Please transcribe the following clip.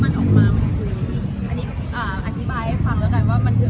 มันออกมาอาธิบายให้ฟังแล้วกันว่ามันถือ